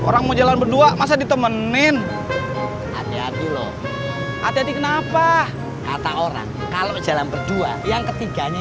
sampai jumpa di video selanjutnya